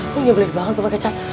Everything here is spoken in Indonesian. lo gak boleh dibangun botol kecap